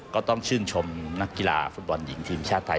ก็ต้องชื่นชมนักกีฬาฟุตบอลหญิงทีมชาติไทย